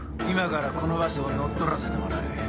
今からこのバスを乗っ取らせてもらう。